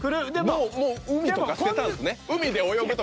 もう海とか捨てたんですね？